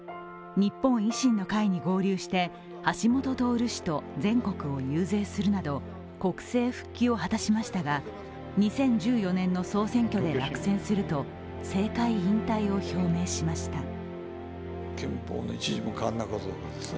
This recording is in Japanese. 日本維新の会に合流して橋下徹氏と全国を遊説するなど国政復帰を果たしましたが、２０１４年の総選挙で落選すると政界引退を表明しました。